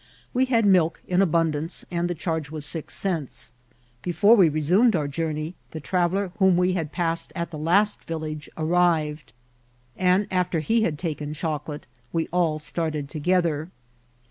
We had milk in abundance, and the charge was six cents. Before we resumed our journey the traveller whom we had passed at the last village arrived, and, after he had taken chocolate, we all started together.